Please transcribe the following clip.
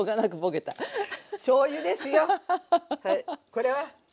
これは？